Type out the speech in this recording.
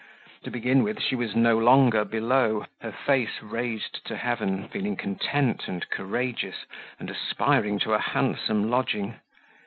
To begin with, she was no longer below, her face raised to heaven, feeling content and courageous and aspiring to a handsome lodging.